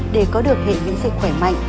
để có được hệ nguyên dịch khỏe mạnh